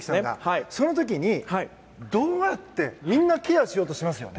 その時にどうやってみんなケアしようとしますよね。